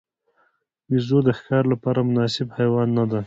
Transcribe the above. بیزو د ښکار لپاره مناسب حیوان نه دی.